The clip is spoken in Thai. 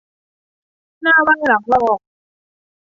หน้าไหว้หลังหลอก